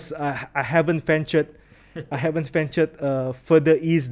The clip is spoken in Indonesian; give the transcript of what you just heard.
sejujurnya saya belum berusaha